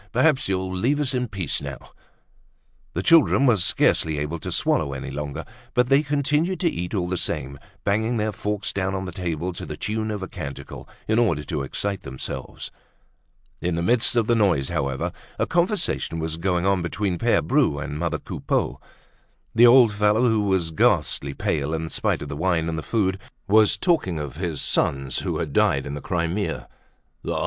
"Perhaps you'll leave us in peace now!" The children were scarcely able to swallow any longer, but they continued to eat all the same, banging their forks down on the table to the tune of a canticle, in order to excite themselves. In the midst of the noise, however, a conversation was going on between Pere Bru and mother Coupeau. The old fellow, who was ghastly pale in spite of the wine and the food, was talking of his sons who had died in the Crimea. Ah!